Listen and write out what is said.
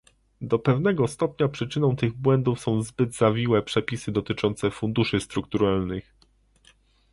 Do pewnego stopnia przyczyną tych błędów są zbyt zawiłe przepisy dotyczące funduszy strukturalnych